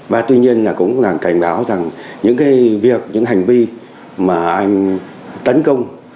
và tuy nhiên là cũng là cảnh báo rằng những cái việc những hành vi mà anh tấn công